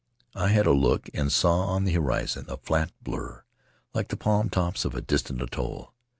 I had a look and saw on the horizon a flat blur, like the palm tops of a distant atoll.